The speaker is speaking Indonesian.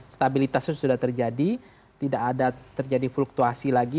stabilitas itu sudah terjadi tidak ada terjadi fluktuasi lagi